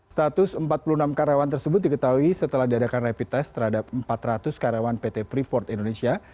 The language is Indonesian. status empat puluh enam karyawan tersebut diketahui setelah diadakan rapid test terhadap empat ratus karyawan pt freeport indonesia